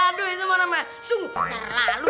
aduh itu mah namanya sungguh terlalu